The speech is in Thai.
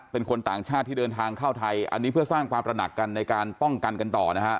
เป็นคนต่างชาติที่เดินทางเข้าไทยอันนี้เพื่อสร้างความตระหนักกันในการป้องกันกันต่อนะฮะ